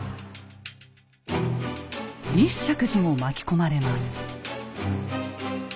立石寺も巻き込まれます。